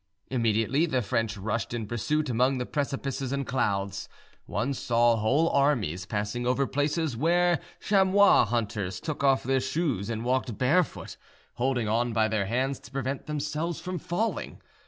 Immediately the French rushed in pursuit among the precipices and clouds. One saw whole armies passing over places where chamois hunters took off their shoes and walked barefoot, holding on by their hands to prevent themselves from falling.